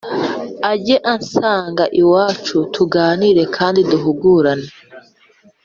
ajyansanga iwacu tuganire kandi duhugurane,